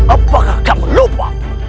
apakah kamu lupa